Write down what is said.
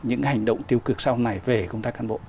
những hành động tiêu cực sau này về công tác cán bộ